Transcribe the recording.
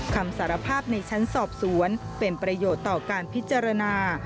คำสารภาพในชั้นสอบสวนเป็นประโยชน์ต่อการพิจารณา